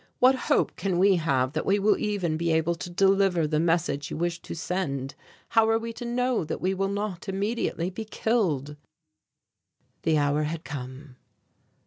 What hope can we have that we will even be able to deliver the message you wish to send? How are we to know that we will not immediately be killed?" The hour had come.